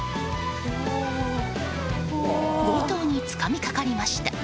強盗につかみかかりました。